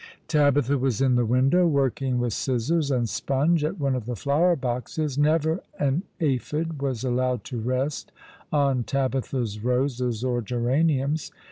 Tabitha was in the window, working with scissors and sponge at one of the flower boxes. Never an aphid was allowed to rest on Tabitha's roses or geraniums.